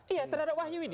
iya terhadap wahyu ini